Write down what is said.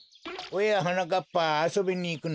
おやはなかっぱあそびにいくのか？